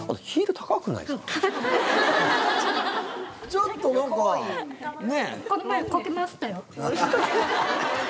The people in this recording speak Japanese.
ちょっと何かね。